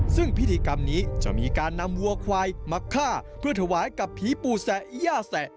ซึ่งพิธีกรรมนี้จะมีการนำวัวควายมาฆ่าเพื่อถวายกับผีปู่แสะย่าแสะ